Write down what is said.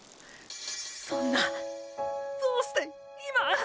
そんなどうして今！！